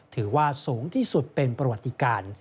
ถือว่าสูงที่สุดเป็นประวัติการ